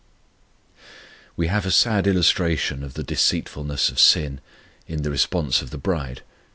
We have a sad illustration of the deceitfulness of sin in the response of the bride.